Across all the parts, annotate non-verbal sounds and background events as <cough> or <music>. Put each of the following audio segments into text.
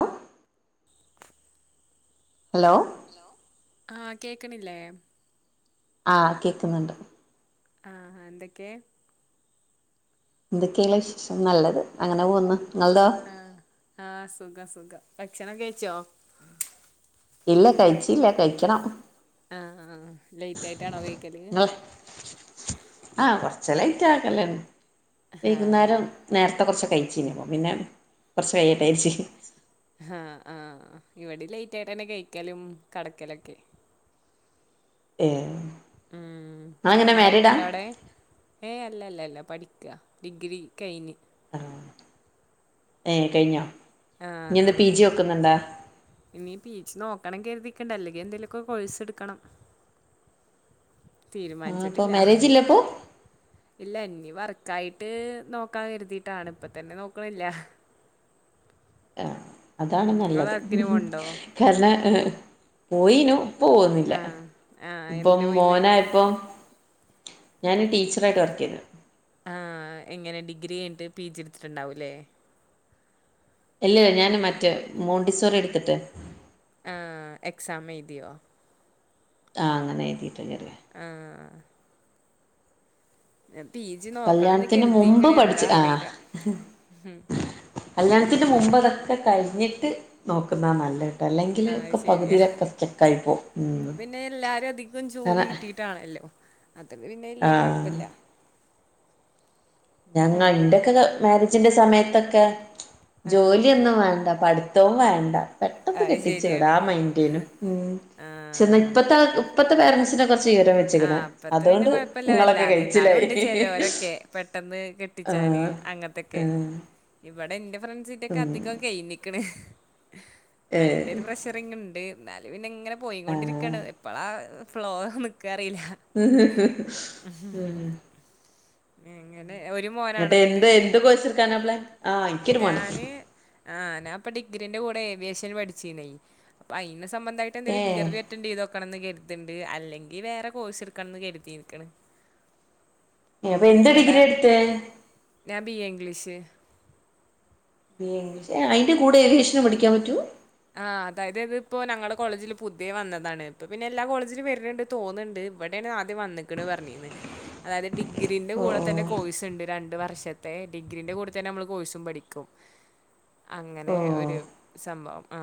വ hello hello ആഹ് കേക്ക്ണില്ലേ ആഹ് കേക്ക്ന്ന്ണ്ട് ആഹ് എന്തെക്കെ ന്തെക്കെള്ള വിശേഷം നല്ലത് അങ്ങനെ പോവ്ന്ന് ആഹ് ആഹ് സുഖം സുഖം ഭക്ഷണം കഴിച്ചൊ ഇല്ല കഴിച്ച് ആഹ് ആ അ ലേറ്റായിട്ടാണൊ കഴിക്കല് നിങ്ങള് ആഹ് കൊറച്ച് ലൈറ്റ് ആകല്ണ്ട് ആഹ് വൈകുന്നേരം നേര്ത്തെ കൊറച്ചൊകെ പിന്നെ കൊറച്ചെയ്യട്ടെ ര്ച്ച് ആഹ് ആഹ് ഇവടെ ലൈറ്റായിട്ടന്നെ കഴിക്കലും കടക്കലൊക്കെ ഏഹ് ഉം നിങ്ങളെങ്ങനെ മാരീഡാ മഴക്കെണ്ടവ്ടെ ഏയ് അല്ല അല്ല അല്ല പഠിക്ക ഡിഗ്രി കഴിഞ്ഞ് ആഹ് ഏഹ് കഴിഞ്ഞൊ ആഹ് ആഹ് ഇഞീ പീജി നോക്കണം കര്തി ക്ക്ണ്ട് അല്ലെങ്കി എന്തേലൊക്കെ കോഴ്സ് ട്ക്കണം ആഹ് അപ്പൊ തീരുമാൻച്ച്ട്ട്ല്ല മാരേജ് ഇല്ല അപ്പൊ ഇല്ലഞ് ഇ വർക്കായിട്ട് നോക്ക കര്തീട്ടാണ് ഇപ്പ തന്നെ നോക്ക്ണില്ല ആഹ് അതാണ് നിങ്ങൾ നല്ലത് വർക്കിന് പോണുണ്ടോ കാരണ പോയീനു ഇപ്പ പോവ്ന്നില്ല. ആഹ് ആഹ് ഇപ്പ എന്തിനാ പോയിന്ന് മോനയപ്പൊ ഞൻ ടീച്ചറായിട്ട് വർക്ക് ചെയ്ത ആ എങ്ങനെ ഡിഗ്രി കഴിഞ്ഞിട്ട് പി ജിട്ത്തിട്ടുണ്ടാവൂല്ലേ അല്ല ഞാന് മറ്റേ മോണ്ടിസോറി എടുത്തിട്ട് ആ എക്സാം എഴ്തിയോ ആഹ് അങ്ങന എഴുതിട്ടകര ആ ഞ പി ജി നോക്കണംന്ന് കല്യാണത്തിന് മുമ്പ് കരുതിക്ക്ണ് പഠിച്ച് എന്താ ആ അറിയില്ല കല്യാണത്തിന് മുമ്പ് അതൊക്കെ കഴിഞ്ഞിട്ട് നോക്കുന്ന നല്ലെ അല്ലെങ്കിൽ ആഹ് അത് ഒക്കെ ശരിയാ പകുതിയിലൊക്കെ സ്റ്റെക്കായി പോ ഉം ഇപ്പൊ പിന്നെ എല്ലാരും കാ അത്ര പിന്നെ വലിയ കൊഴപ്പില്ല ഞങ്ങ ന്റെയക്കെ മാരേജിന്റെ സമയത്തൊക്കെ ആഹ് ജോലിയൊന്നും വേണ്ട പഠിത്തവും വേണ്ട പെട്ടെന്ന് അത് കെട്ടിച്ച വിട ശരിയാണ് ആ ഒരു മൈന്റേനും ചെന്ന ആഹ് ഇപ്പത്തെ ഇപ്പത്തെ പേരൻസിനൊക്കെ ച്ച് വിവരം ആ വെച്ച്ക്ക്ണ് അപ്പത്തെ പിന്നെ അതുകൊണ്ട് കുഴപ്പമില്ല നിങ്ങളൊക്കെ വല്ലാതെ കഴിച്ചിലായി ആ കെട്ടിച്ചേന് അങ്ങനത്തൊക്കെ ആ ഇവിടെ ൻ്റെ ഇ ഫ്രൻസിന്റൊക്കെ അധികം കഴിഞ്ഞ്ക്ക്ണ് അയിന്റെ ഏഹ് ഒരു പ്രഷറിങ്ങ്ണ്ട് എന്നാലും പിന്നെ ഇങ്ങനെ പോയി കൊണ്ടിരിക്കയാണ് എപ്പളാ ഫ്ലോ ന്ന് എങ്ങ എന്നിട്ട് എന്ത് എന്ത് കോഴ്സ്ട്ക്കാനാ പ്ലാൻ ആഹ് എനിക്കൊരു മോനാ ആഹ് ഞാൻപ്പ ഡിഗ്രിന്റെ കൂടെ ഏവിയേഷ ൻ പഠിച്ചീനി അപ്പൊ അതിന്റെ സംബന്ധമായിട്ട് ഏഹ് ഇന്റർവ്യൂ അറ്റൻഡ് ചെയ്ത് നോക്കണംന്ന് കര്ത്ണ്ട് അല്ലെ ങ്കിൽ വേറെ കോഴ്സ് എടുക്കണംന്ന് കരുതീക്ക്ണ് എ പ്പ എന്ത് ഡിഗ്രിയാ എട്ത്തേ ക്ഷേ അയ്ന്റെ കൂടെ ഏവിയേഷനും പഠിക്കാൻ പറ്റും ആഹ് അതായത് ഇതി ഇപ്പോ ഞങ്ങളെ കോളേജില് പുതിയേ വന്നതാണ് ഇപ്പ പിന്നെ എല്ലാ കോളേജിലും വരുന്നുണ്ട് തോന്നുണ്ട് ഇവിടെണ് ആദ്യം വന്നിക്കണ് പറഞ്ഞിന്ന് അതായത് ഡിഗ്രീന്റെ കൂടെ ഓഹ് തന്നെ ഓഹ് കോഴ്സ്ണ്ട് രണ്ട് വർഷത്തെ ഡിഗ്രീന്റെ കൂടെ തന്നെ നമ്മള് കോഴ്സും പഠിക്കും അങ്ങനെ ഓഹ് ഒരു സംഭവം ആ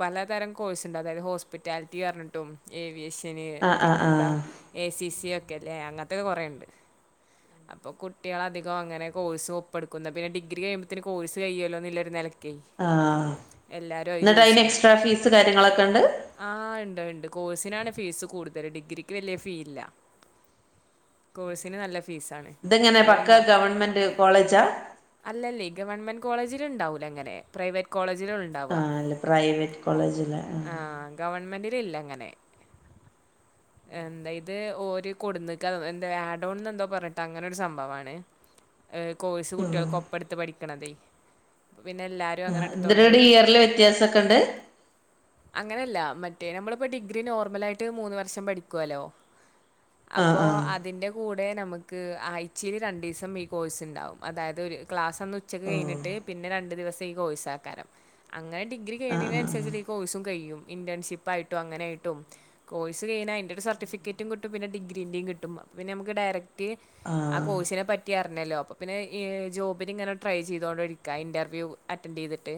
പലതരം കോഴ്സ്ണ്ട് അതായത് ഹോസ്പിറ്റാലിറ്റി അറിഞ്ഞിട്ടും ഏവിയേസ് ശനി ആഹ് ആഹ് പിന്നെന്താ ആഹ് എ സി സിയ ഒക്കെല്ലേ അങ്ങനത്തൊക്കെ കൊറെയുണ്ട് അപ്പൊ കുട്ടിആള് അധികം അങ്ങനെ കോഴ്സ് ഒപ്പെടുക്കും ഇന്നാ പിന്നെ ഡിഗ്രി കിയുമ്പഴത്തേന് കോഴ്സ് കഴ്യുമല്ലോന്ന നില ക്ക് ആഹ് എല്ലാ അയ് എന്നിട്ട് അയിന് ചൂസെയ്യും എക്സ്ട്രാ ഫീസ് കാര്യങ്ങളൊക്കെ ഉണ്ട് ആ ഇണ്ട് അയ്ണ്ട് കോഴ്സ്ന് ആണ് ഫീസ് കൂട്തല് ഡിഗ്രിക്ക് വെല്ല ഫീ ഇല്ല കോഴ്സ്ന് നല്ല ഫീസാണ് ഇതെങ്ങനെ അയ് പക്ക ഒന്നാ ഗവൺമെന്റ് കോളേജാ അല്ലല്ലെ ഗവൺമെൻ കോളേജ് ലുണ്ടാവുല ഇങ്ങനെ പ്രൈവറ്റ് കോളേജ്ലൊ ഒള് ഇണ്ടാവ ആഹ് അല്ല പ്രൈവറ്റ് കോളേജില് ആഹ് മെന്റിലി ഇല്ല ഇങ്ങനെ എന്തായത് ഒര് കൊടുന്ന് ക്കാ എന്താ ആഡോൺന്ന് എന്തോ പറഞ്ഞിട്ട് അങ്ങനെരു സംഭവാണ് കോഴ്സ് കുട്ടികൾക്ക് ഒപ്പട്ത്ത് പഠിക്ണതെ ആഹ് എന്ട് ഇയറിലെ വ്യത്യാസക്കെ ഇണ്ട് ല്ല മറ്റേ നമ്മളിപ്പോ ഡിഗ്രി നോർമല ആയിട്ട് മൂന്ന് വർഷം പഠിക്കുവല്ലോ ആഹ് അപ്പോ ആഹ് അതിന്റെ കൂടെ നമുക്ക് ആയ്ച്ചില് രണ്ടിസം ഈ കോഴ്സ് ണ്ടാവും അതായത് ഒര് ക്ലാ ന്ന് ഉച്ചക്ക് ഓഹ് കഴിഞ്ഞിട്ട് പിന്നെ രണ്ടു ദിവസം ഈ കോഴ്സ് ഏക്കാരം അങ്ങനെ ഡിഗ്രി ആഹ് കഴിയേണനുസരിച്ച്ല്ലേ ഈ കോഴ്‌സും കയും ഇന്റേൺഷിപ്പ് ആയിട്ടും അങ്ങനയിട്ടും കോഴ്സ് കഴിഞ്ഞ അയിൻ്റൊരു സർട്ടിഫിക്കറ്റും കിട്ടും പിന്നെ ഡിഗ്രിൻ്റെ കിട്ടും അപ്പ പിന്നെ മ്മക്ക് ഡയറക്റ്റ് ആഹ് കോഴ്സിനെപ്പ റ്റി അറിഞ്ഞല്ലോ അപ്പ പിന്നെ എ് ജോബിന് ഇങ്ങനെ ട്രൈ ചെയ്തോണ്ടിരിക്ക ഇന്റർവ്യൂ അറ്റൻഡ് ചെയ്തിട്ട്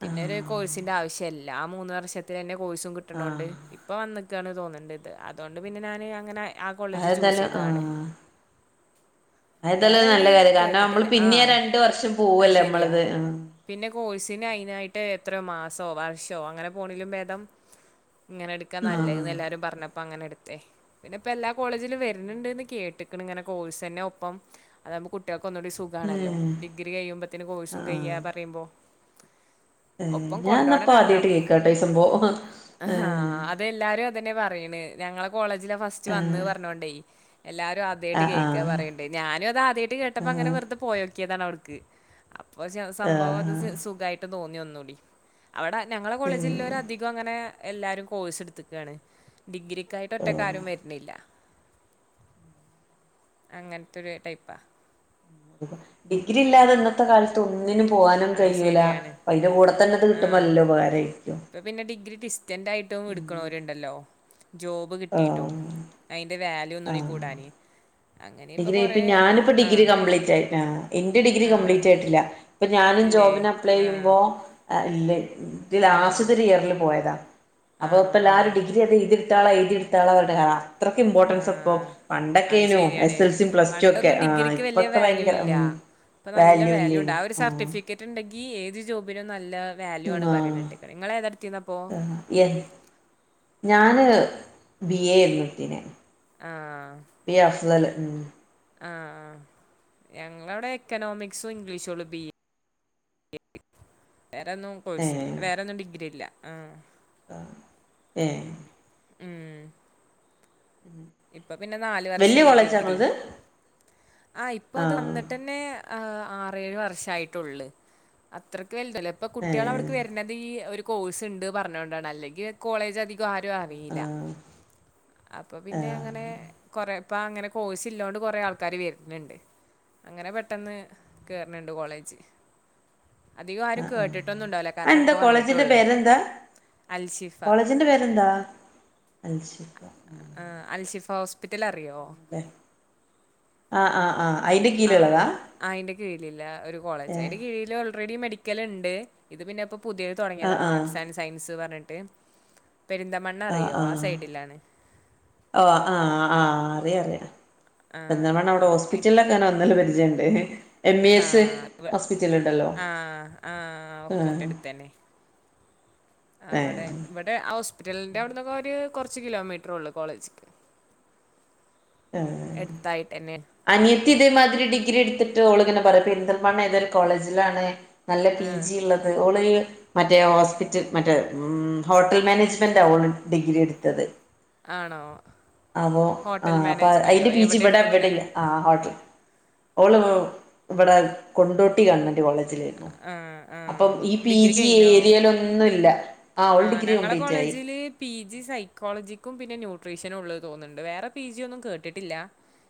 പിന്നെ ഒരു കോഴ്സിന്റെ ആവശ്യല്ല ആഹ് മൂന്ന് വർഷത്തിലെന്നെ കോഴ്സും കിട്ടണോണ്ട് ആഹ് ഇപ്പൊ വന്നിക്കാണ് തോന്നണ്ട് ഇത് അതോണ്ട് പിന്നെ ഞാന് അങ്ങനെ ആ കോളേജ് അത് ചൂസ് തന്നെ ചെയ്തതാണ് ആഹ് അന്താലും വേറെ ഒരു നല്ല എവിടെയും കാര്യം കാരണം നമ്മള് കേട്ടിട്ടില്ല ആ പിന്നെ രണ്ട് വർഷം അത് പോവല്ലേ ശരിയാ നമ്മളത് ആഹ് പിന്നെ കോഴ്സിന് അയിനായിട്ട് എത്രയോ മാസോ വർഷോ അങ്ങനെ പോണെലും ഭേദം ഇങ്ങനെടുക്കാ ആ നല്ലത് എല്ലാവരും പറഞ്ഞപ്പോ അങ്ങനെടുക്ക ത്തെ പിന്നെ ഇപ്പൊ എല്ലാ കോളേജിലും വരുണ് ഇണ്ട്ന്ന് കേട്ട്ക്കണ് ഇങ്ങനെ കോഴ്സ്ന്നെ ഒപ്പം അതാകുമ്പോ കുട്ട്യോ ക്ക് ഒന്നുകൂടി ഏ സുഖാണല്ലോ ഡിഗ്രി കഴിയുമ്പോത്തിന് കോഴ്സും കഴിയാ പറയുമ്പോ എഹ് ഞാൻന്നപ്പോ ആദ്യായിട്ട് കേക്കാ ട്ട ഈ സംഭവം ഏ അഹ് അതെല്ലാരും അതന്നെ പറയണ് ഞങ്ങളെ കോളേജില ഫസ്റ്റ് വന്ന് പറഞ്ഞോണ്ടേ എല്ലാരും ആ ആദ്യായിട്ട് ആ കേൾക്കാ പറയ്ണ്ട് ഞാനും അത് ആദ്യായിട്ട് കേട്ടപ്പോ അങ്ങനെ വെറുതെ പോയോ ക്കിതാണ് അവിടുക്ക് അപ്പൊ ആ സംഭവം അത് സുഖായിട്ട് തോന്നി ഒന്നൂടി അവടെ ഞങ്ങളെ കോളേജില്ലോരും അധികം അങ്ങനെ എല്ലാവരും കോഴ്സ് ഇടുത്തക്കാണ് ഡിഗ്രി ക്കായിട്ട് ഒറ്റക്കാരും വര്ണില്ല. അങ്ങൻത്തൊരു ടൈപ്പാ. ഡിഗ്രി ഇല്ലാതെ ഇന്നത്തെ കാലത്ത് ഒന്നിനും പോവാനും അത് കയ്യൂല. ശരിയാണ്. പ്പയ്ന്റെ കൂടെ തന്നെ ഇത് കിട്ടുമ്പോ ആഹ്. നല്ല ഉപകാരായിരിക്കും. ട്ടും ഇട്ക്ക്ണോര്ണ്ടല്ലോ. ജോബ് ആ കിട്ടിയിട്ടും അയ്ന്റെ വാല്യൂ ഒന്നൂടി കൂടാന്. ഡിഗ്രി ഇപ്പ ഞാന്പ്പ ഡിഗ്രി കപ്ലീറ്റ് ആയി <unintelligible> എന്റെ ഡിഗ്രി ആ കംപ്ലീറ്റ് ആയിട്ട്ല്ല. ഇപ്പ ഞാ ൻ ഇല്ലേ ജോബിന് ആ അപ്ലൈയ്യുമ്പോ എ ഇല്ല ഇൻ്റെ ആ ലാസ്റ്റത്തൊരു ഇയറില് പോയതാ അപ്പ ഇപ്പ ആണോ ആ എല്ലാവരും ഡിഗ്രി അത് എഴുതി ടുത്താള എഴുതി എടുത്താള പറഞ്ഞിട്ട ആ അത്രക്ക് ആ ഇമ്പോർട്ടൻസ് ഇപ്പോ അത് പണ്ടൊക്കെനു ശരിയാണ് എസ് എൽ സിയും പ്ലസ് ടു ഒക്കെ പണ്ടൊന്നും ആ ഡിഗ്രിക്ക് വല്ല്യ ഇപ്പൊക്കെ വാല്യൂ ഭയങ്കര ഇല്ല ഉം ഇപ്പൊ നല്ല വാല്യൂ വാല്യൂണ്ട് ഇല്ലേനു ആ ഒരു സർട്ടിഫിക്കറ്റ് ഇണ്ടെ ങ്കിഏത് ജോബിനും നല്ല വാല്യൂ ആണ് ഉംആഹ് പറയുന്നത് നിങ്ങൾ ഏതെടുത്തിരുന്നപ്പോൾ അ യത് ഞാന് ബി എ ആര്ന്നു എടുത്തിന് ആ ബി എ അഫ്സല് ഉ ആ ആ ഞങ്ങളവടെ എക്കണോമിക്സും ഇംഗ്ലീഷുള്ളൂ ബി എ വേറെ ഒന്നും കോഴ്സില്ല വേറൊന്നും ഡിഗ്രി ഇല്ല ആഹ് ആ ഏഹ് ഉം ഇപ്പൊ പിന്നെ നാല് വല്യ വർഷല്ലേ കോളേജാണോ ഡിഗ്രി അത് ആ ഇപ്പ അത് വന്നിട്ട്ന്നെ ആ ആറേഴ് വർഷായിട്ടുള്ള് അത്ര ക്ക് വലുതല്ലേ ഇപ്പൊ കുട്ടികൾ ഏ അവടെക്ക് വരണത് ഈ ഒരു കോഴ്സ് ഇണ്ട് പറഞ്ഞൊണ്ടാണ് അല്ലെങ്കി കോളേജ് അധി ധികം ആരും അറിയില്ല ആഹ് അപ്പൊ പിന്നെ ആഹ് അങ്ങനെ കൊറെ ഇപ്പ അങ്ങനെ കോഴ്സ് ഇല്ലോണ്ട് കൊറെ ആൾക്കാര് വര്ണണ്ട് അങ്ങനെ പെട്ടെന്ന് കേറണ് ഇണ്ട് കോളേജ് അധികം ആരും കേട്ടിട്ടൊന്നും ഇണ്ടാവില്ല കാരണം അതെന്താ ഇപ്പ കോളേജിന്റെ വന്നിട്ടള്ളു പേരെന്താ കോളേജിന്റെ പേരെന്താ ആ അൽഷിഫ ഹോസ്പിറ്റലറി ല്ലേ ആഹ് ആഹ് ആഹ് അയിന്റെ ആഹ് കീഴിലുള്ളതാ അയിന്റെ കീഴിലിള്ള ഒരു കോളേജ് ഏഹ് അയിന്റെ കീഴില് ഓൾറെഡി മെഡി ക്കലുണ്ട് ഇത് പിന്നെ ഇപ്പൊ പുതിയത് തൊടങ്ങിയതാ ആഹ് ആഹ് ആർട്സ് ആൻഡ് സയൻസ് പറഞ്ഞിട്ട് പെരിന്തമണ്ണ ആഹ് അറിയോ ആ ആഹ് സൈഡിലാണ് ഓ ആ ആഹ് അറിയറിയാ ആ. എന്ത പറ അവിടെ ആ. ഹോസ്പിറ്റലിലൊക്കെ അനെ ഒന്നല്ല പരിചയണ്ട് എം ഇ എസ് ഹോസ്പിറ്റല ഉ ആഹ ആഹ് ഒക്കെ അടുത്തന്നെ അവിടെ ഏഹ് ഇവിടെ ഹോസ്പിറ്റലിന്റെ അവിടെന്നൊക്കെ ഒരു കുറച്ചു കിലോമീറ്ററെ ഉള്ളു കോളേജക്ക് ആ അനിയത്തി ഇതേ മാതിരി ഡിഗ്രി എടുത്തി ളിങ്ങനെ പറയാ പെരിന്തൽമണ്ണ ഏതൊരു കോളേജിലാണ് നല്ല പി ആ. ജി ഉള്ളത് ഓള് മറ്റേ ഹോസ്പിറ്റൽ മറ്റേ ഹോട്ടൽ മാനേജ്മെന്റ് ഓള് ഡിഗ്രി എടുത്തത് ആണോ അപ്പോ ഹോട്ട ആ അപ്പോൾ അതിൻ്റെ പിജി ഇവിടെ എവിടെ ഇല്ല ആ ഹോട്ടൽ ഓള് ഇവിടെ കൊണ്ടോട്ടി ഗവൺമെന്റ് കോളേജില് ആ. ആ. അപ്പം ഈ പി ജി ഈ ഏരിയയിൽ ഒന്നുംല്ല ആ ഞങ്ങള കോളേജില് പി ജി സൈക്കോളജിക്കും പിന്നെ ന്യൂട്രീഷനും ഉള്ളത് തോന്നുന്നുണ്ട് വേറെ പി ജി ഒന്നും കേട്ടിട്ടില്ല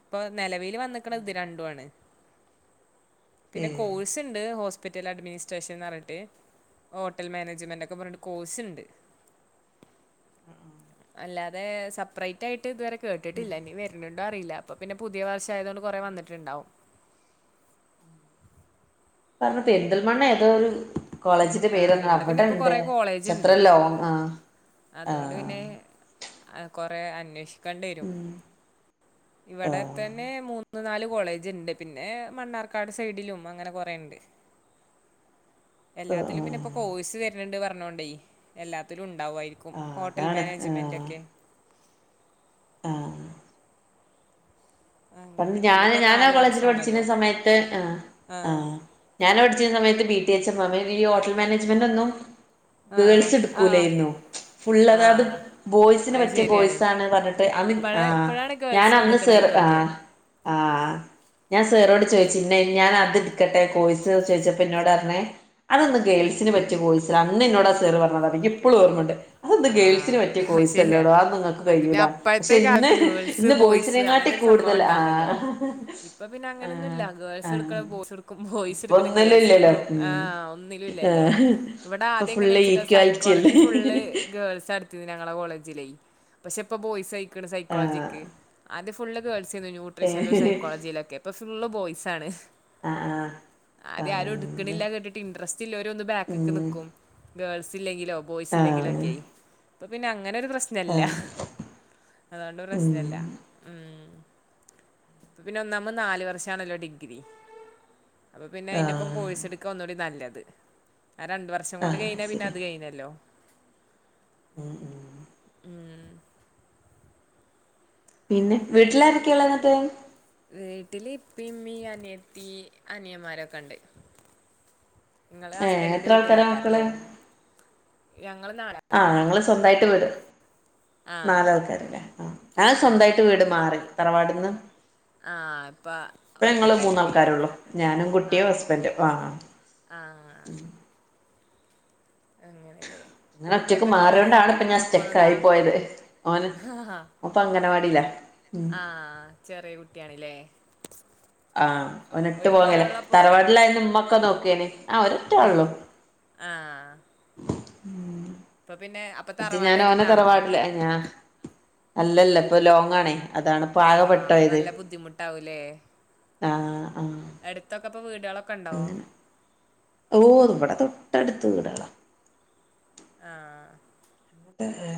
ഇപ്പൊ നിലവിൽ വന്നക്കണ ഇത് രണ്ടു ആണ് <unintelligible> പിന്നെ കോഴ്സ് ഉണ്ട് റ്റൽ അഡ്മിനിസ്ട്രേഷൻന്ന് പറഞ്ഞട്ട് ഹോട്ടൽ മാനേജുമെന്റ് ഒക്കെ പറഞ്ഞ് കോഴ്സ് ഉണ്ട് അല്ലാതെ സെപ്പറേറ്റ് ആയിട്ട് ഇതുവരെ കേട്ടിട്ടില്ല ഇനി വരുന്നുണ്ടോ ഇടെ അറിയില്ല അപ്പൊ പിന്നെ പുതിയ വർഷ ആയത കൊണ്ട് കൊറെ വന്നിട്ടുണ്ടാവും കാരണം പെരുന്തൽ മണ്ണ ഏതോരു കോളേജിന്റെ ആഹ് പേര്ന്ത ഇവിടെ പിന്നെ അവിടെ ഇപ്പോൾ ഉണ്ട് കുറേ കോളേജ് പക്ഷെ അത്ര ഉണ്ട് ലോങ് ആ ആ കൊറെ അന്വേഷിക്കണ്ടി വരും ഇവിടെ ആഹ് തന്നെ മൂന്ന് മൂന്ന നാല് കോളേജ് ഉണ്ട് പിന്നെ മണ്ണാർക്കാട് സൈഡിലും അങ്ങനെ കൊറേ ഇണ്ട് <unintelligible> ആഹ് എല്ലാത്തിലും പിന്നെ ഇപ്പോ കോഴ്സ് വരണണ്ട് പറഞ്ഞോണ്ടേ എല്ലാത്തിലും ഉണ്ട് ഉണ്ടാഓയിരിക്കും ആഹ് ഹോട്ടൽ അതാണ് മാനേജ്മെന്റ് ആഹ് ഒക്കെ ആഹ് കണ്ട് അങ്ങനെ പിന്നെ ഞാന് ഇപ്പോൾ ഞാനാ നാല് കോളേജിൽ പഠിച്ചിന്ന വർഷമാണല്ലോ സമയത്ത് ആ ആ ആ് ഞാൻ അവിടെച്ചിരുന്ന സമയത്ത് ബി ടി എച്ച എ ഈ ഹോട്ടൽ മാനേജ്മെന്റ്ന്നും ആ ഗേൾസ് ആ ടുക്കൂലായിരുന്നു ഫുൾ ആ അതത് ബോയ്സിന് അത് പറ്റിയ ശരിയാണ് ബോയ്സ് ആണ് പറഞ്ഞിട്ട് അ ഇപ്പോഴാണ് ആ് ഇപ്പോഴാണ് ഗേൾസ് ഞാനന്ന് വന്നിക്കണേക്കൊക്കെ ആഹ് ആഹ് ഞാൻ സാറോട് ചോദിച്ചുഇന്നെ ഞൻ അത് എടുക്കട്ടെ കോയ്സ് ചോച്ചപ്പോ എന്നോട് പറഞ്ഞെ അതൊന്ന് ഗേൾസിന് പ റ്റിയാ കൊയ്സ് ല അന്ന് ന്നോട് സേറു പറഞ്ഞതാ ഇപ്പോഴും ഓർമയുണ്ട് അഹ് പ ആഹ് ഗേൾസിന് പറ്റിയ അത് കോയ്സ് ശരിയാ അല്ലോടോ ആ നിങ്ങൾക്ക് അത് പിന്നെ കഴൂല അപ്പഴത്തെ പക്ഷെ ഇന്ന് കാലത്ത് ഗേൾസ് ഇന്ന് ബോയ്സ് അങ്ങനെ ബോയ്സിനെങ്ങാട്ടി ഒരു കൂടുത സംഭവം ല ഉണ്ടാന്നല്ലോ ആഹ ഇപ്പൊ പിന്നെ അങ്ങനെയൊന്നുംല്ല ഗേൾസ് എടുക്ക ബോയ്സ് എടുക്കും ബോയ്സ് ഇപ്പൊ എട്ക്ണ ഒന്നിലും ഗേൾസ് ഇല്ലല്ലോ എടുക്കും ആ ഉം ഒന്നി ഇല്ലലോ ആഹ് വിടെ ഇപ്പൊ ആദ്യം ങ്ങനെ ഫുള്ള് വെച്ചിട്ട ഈക്വാലിറ്റി അല്ലേ സൈക്കോളജി ഫുള്ള് ന്റട്ത് ഞങ്ങളെ കോളേജില് പക്ഷെ പ്പ ബോയ്സ്യ്ക്ണ് ആഹ് സ്സൈക്കോളജിക്ക് അത് ഫുള് ഗേൾ ന്യൂട്രീഷനൽ ഏഹ് സൈക്കോളജിയിലൊക്കെ ഇപ്പൊ ഫുള്ള് ബോയ്സ് ആണ് ആഹ് ആഹ് അത് ആരും ആഹ് എടുക്കണില്ല കേട്ടിട്ട് ഇൻട്രസ്റ്റ് ഇല്ലോരൊന്ന് ബാക്ക്ക് ഉം നിക്കും ഗേൾസ് ഇല്ലെങ്കിലോ ബോയ്സ് ഇല്ലേങ്കി ആഹ് ലൊക്കെ പ പിന്നെ അങ്ങനെ ഒരു പ്രശ്നല്ല ആഹ് അതുകൊണ്ട് പ്രശ്നല്ല ഉ പിന്നെ ഒന്നാമ്മോ നാല് വർഷാണല്ലോ ഡിഗ്രി അപ്പൊ പിന്നെ അയിന്റെ ഇപ്പം ആഹ് കോഴ്സ് എടുക്കാ ഒന്നുകൂടി നല്ലത് ആ രണ്ടു വർഷം കൊണ്ട് ആഹ് കയിണ പിന്നെ അത് കഴഞ്ഞല്ലോ ഉം ഉ ഉം പിന്നെ വീട്ടില് ആരക്കെള്ളഹ് ങ്ങട്ട് വീട്ടില് ഇപ്പ മ്മീ അനിയത്തി അനിയന്മാരൊക്കെ ണ്ട് നിങ്ങള് ഏഹ് ഹസ്ബൻറിന്റെ എത്ര ആൾക്കാരാ വീട്ടിലെകാരം മക്കള് ലേ ഞങ്ങള് നാലാള് സ്വന്തയിട്ട് വീട് ആ നാലാ ആൾക്കാാരല്ലേ ആ ഞാൻ ആ സ്വന്തയിട്ട് വീട് മാറി തറവാടിന്ന് ആ ഇപ്പം ഇപ്പ ങ്ങള് ഒറ്റക്കായിരിക്കും അല്ലേ മൂന്നാൾക്കാരൊള്ളു ഞാനും കുട്ടിയും ആണോ ഹസ്ബൻഡും വ ആഹ് അങ്ങനെ ങ്ങനെ ഒറ്റക്ക് മാറിയൊണ്ടാണ് പ്പ ഞാൻ സ്റ്റെക്ക പോന്നതാ ആയി പോയത് ആണ് അപ്പ അങ്ങനെ തില്ല ആ ചെറിയ കുട്ട്യാണ് ല്ലേ ആഹ് ഒനെ ഇട്ട് പോന്നല് മോനൊള്ളപ്പോ തറവാടിലായ മ്മൊക്കെ നോക്കേഞ്ഞി ആ ഒ ഒറ്റ ഉള്ളൂ ആഹ് മ അപ്പൊ പിന്നെ അപ്പൊ മറ്റേ തറവാട് ഞാനോനെ എടുത്താണോ തറവാടിലേ ഞാ അല്ലല്ല പ്പൊ ലോങ്ങാണേ അതാണ് ഇപ്പൊ ആകെ ആഹ് അപ്പൊ പെട്ടോയത് നല്ല ബുദ്ധിമുട്ടാവൂലേ ആഹ് ആഹ് അടുത്തൊക്കെ ഇപ്പൊ വീടോളൊക്കെ ണ്ടാവോ ഓവടെ തൊട്ടടുത്ത് വീടളാ ആഹ് <unintelligible>